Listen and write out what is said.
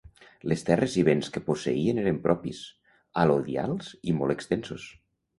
Les terres i béns que posseïen eren propis, alodials i molt extensos.